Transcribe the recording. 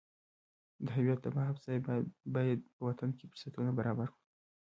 د هویت د بحث پرځای باید په وطن کې فرصتونه برابر کړو.